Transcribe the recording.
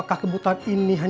kaya suara selagi diulang